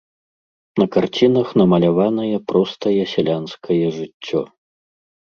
На карцінах намаляванае простае сялянскае жыццё.